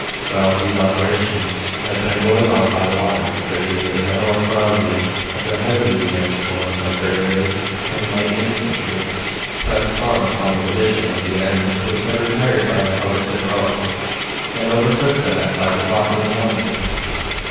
While these operations had been going on by water Brigadier General Fraser, at the head of the advance corps of grenadiers and light infantry, pressed hard upon the division of the enemy which had retired by the Hubberton Road, and overtook them at five o'clock in the morning.